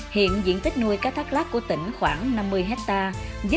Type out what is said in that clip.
hiện diện tích nuôi cá thác lát của tỉnh khoảng năm mươi hectare